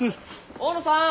大野さん！